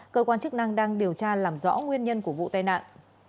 cơ quan chức năng đang điều tra làm rõ nguyên nhân của vụ tai nạn